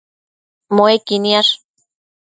Muequi niash